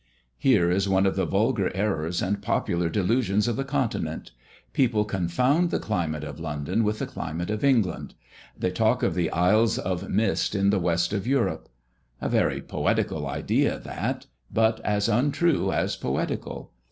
Here is one of the vulgar errors and popular delusions of the Continent. People confound the climate of London with the climate of England; they talk of the isles of mist in the West of Europe. A very poetical idea that, but as untrue as poetical.